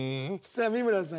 さあ美村さん